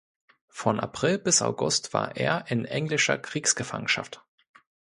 Von April bis August war er in englischer Kriegsgefangenschaft.